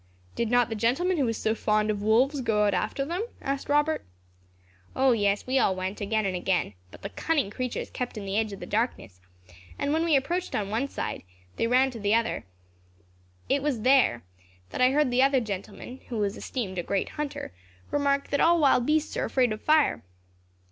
"Did not the gentleman who was so fond of wolves go out after them?" asked Robert. "O, yes, we all went, again and again, but the cunning creatures kept in the edge of the darkness, and when we approached on one side, they ran to the other. It was there I heard the other gentleman, who was esteemed a great hunter, remark, that all wild beasts are afraid of fire."